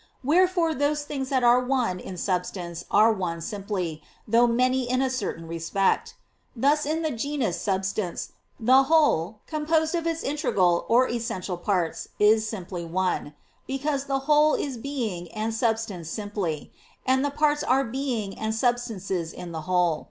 Wherefore those things that are one in substance are one simply, though many in a certain respect. Thus, in the genus substance, the whole composed of its integral or essential parts, is one simply: because the whole is being and substance simply, and the parts are being and substances in the whole.